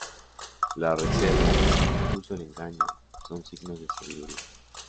La reserva, incluso el engaño, son signos de sabiduría.